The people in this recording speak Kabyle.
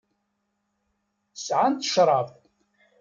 Sɛant ccṛab.